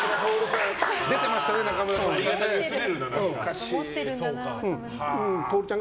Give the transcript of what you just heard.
出てましたね、仲村トオルさん。